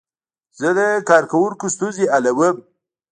زه د کاروونکو ستونزې حلوم.